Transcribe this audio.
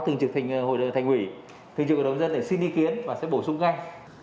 thường trực thành hội đồng thành quỷ thường trực thành đồng dân để xin ý kiến và sẽ bổ sung ngay